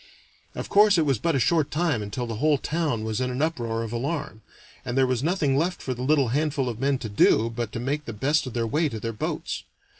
Of course it was but a short time until the whole town was in an uproar of alarm, and there was nothing left for the little handful of men to do but to make the best of their way to their boats.